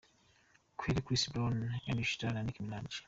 Kelly, Chris Brown, Ed Sheraan na Nicki Minaj.